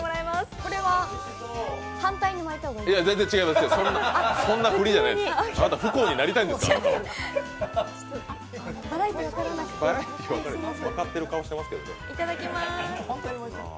これは反対に巻いた方がいいんですか？